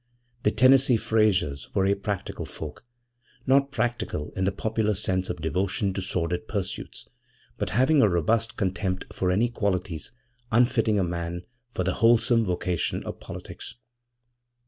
The Tennessee Fraysers were a practical folk not practical in the popular sense of devotion to sordid pursuits, but having a robust contempt for any qualities unfitting a man for the wholesome vocation of politics.